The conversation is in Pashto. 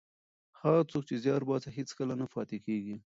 هغه څوک چې زیار باسي هېڅکله نه پاتې کېږي.